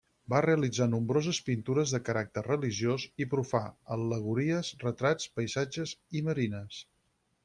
Va realitzar nombroses pintures de caràcter religiós i profà, al·legories, retrats, paisatges i marines.